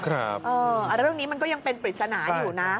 ครับเอ่อแล้วเรื่องนี้มันก็ยังเป็นปริศนาอยู่น่ะ